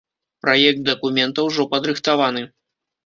Праект дакумента ўжо падрыхтаваны.